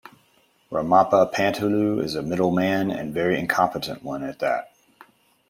Ramappa Panthulu is a middle man and very incompetent one at that.